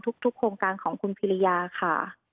ทุกโครงการของคุณพิริยาค่ะ